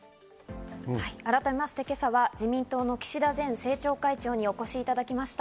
改めまして、今朝は自民党の岸田前政調会長にお越しいただきました。